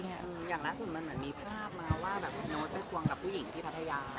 อย่างล่าสุดมันเหมือนมีภาพมาว่าแบบโน้ตไปควงกับผู้หญิงที่พัทยา